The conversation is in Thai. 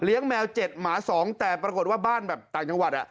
แมว๗หมา๒แต่ปรากฏว่าบ้านแบบต่างจังหวัด